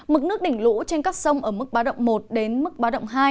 mức nước đỉnh lũ trên các sông ở mức ba độc một đến mức ba độc hai